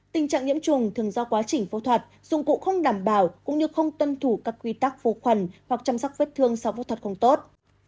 tình trạng nhiễm trùng thường do quá trình phẫu thuật dụng cụ không đảm bảo cũng như không tuân thủ các quy tắc phù khuẩn hoặc chăm sóc vết thương sau phẫu thuật không tốt